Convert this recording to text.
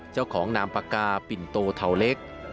เจ้าของนามปากกาปิ่นโตเทาเล็ก